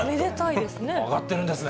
上がってるんですね。